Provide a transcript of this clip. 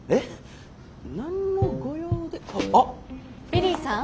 ビリーさん